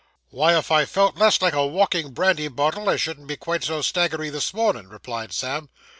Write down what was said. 'Why, if I felt less like a walking brandy bottle I shouldn't be quite so staggery this mornin',' replied Sam.